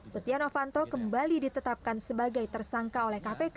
setia novanto kembali ditetapkan sebagai tersangka oleh kpk